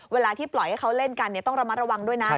เวลาที่ปล่อยให้เขาเล่นกันต้องระมัดระวังด้วยนะ